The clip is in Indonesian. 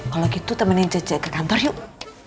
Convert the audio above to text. kalau gitu temenin cece ke kantor yuk